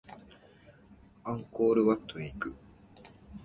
アンコールワットへ行く